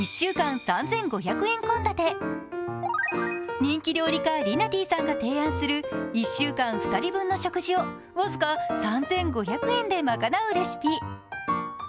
人気料理家りなてぃさんが提案する１週間２人分の食事を僅か３５００円でまかなうレシピ。